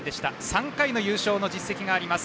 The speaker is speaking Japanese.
３回の優勝の実績があります